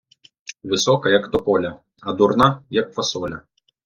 Висока, як тополя, а дурна, як фасоля.